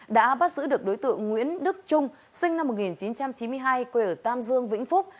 đã bắt giữ được đối tượng nguyễn đức trung sinh năm một nghìn chín trăm chín mươi hai quê ở tam dương vĩnh phúc